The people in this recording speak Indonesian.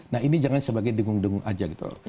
nah ini jangan sebagai dengung dengung